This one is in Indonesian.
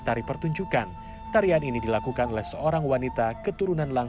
sampai jumpa di video selanjutnya